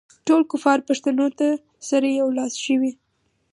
ټول کفار پښتنو ته سره یو لاس شوي.